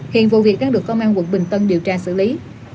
hiện vụ việc đang được công an quận bình tân điều tra xử lý